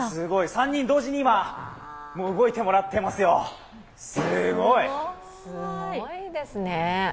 ３人同時に今、動いてもらっていますよ、すごい。